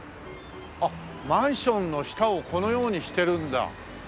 あっマンションの下をこのようにしてるんだ。